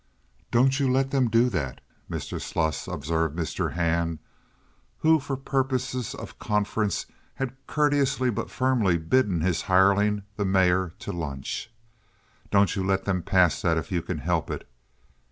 "Don't you let them do that, Mr. Sluss," observed Mr. Hand, who for purposes of conference had courteously but firmly bidden his hireling, the mayor, to lunch. "Don't you let them pass that if you can help it."